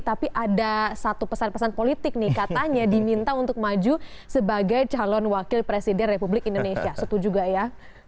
tapi ada satu pesan pesan politik nih katanya diminta untuk maju sebagai calon wakil presiden republik indonesia setuju gak ya